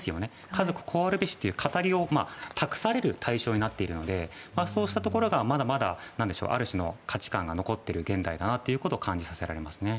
家族はこうあるべしというのを託される対象になっていてそうしたところがある種の価値観が残っている現代だなと感じさせられますね。